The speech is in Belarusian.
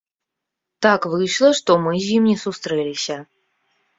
Так выйшла, што мы з ім не сустрэліся.